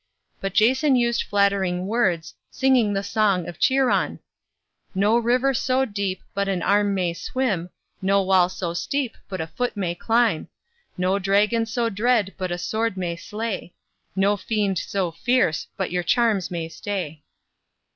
But Jason used flattering words, singing the song of Chiron: "No river so deep but an arm may swim, No wall so steep but a foot may climb, No dragon so dread but a sword may slay, No fiend so fierce but your charms may stay."